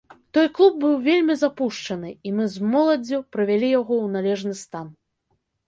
Той клуб быў вельмі запушчаны, і мы з моладдзю прывялі яго ў належны стан.